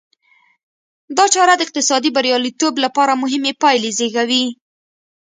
دا چاره د اقتصادي بریالیتوب لپاره مهمې پایلې زېږوي.